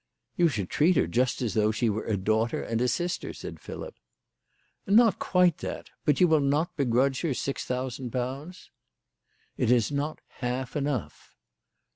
"You should treat her just as though she were a daughter and a sister," said Philip. " Not quite that ! But you will not begrudge her six thousand pounds ?"" It is not half enough."